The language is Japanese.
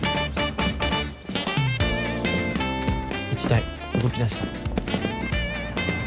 １対動きだした。